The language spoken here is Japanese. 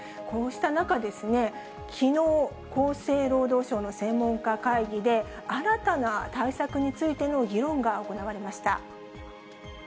こうした中ですね、きのう、厚生労働省の専門家会議で、新たな対策についての議論が行われました。